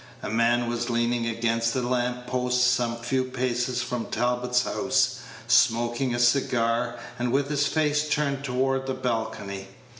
A man was leaning against a lamp post some few paces from Talbot's house, smoking a cigar, and with his face turned toward the balcony.